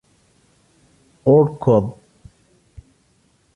اركض!